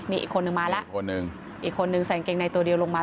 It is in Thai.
นี่อีกคนนึงมาแล้วคนหนึ่งอีกคนนึงใส่กางเกงในตัวเดียวลงมา